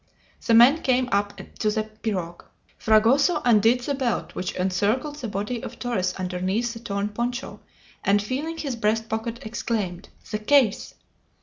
The men came up to the pirogue. Fragoso undid the belt which encircled the body of Torres underneath the torn poncho, and feeling his breast pocket, exclaimed: "The case!"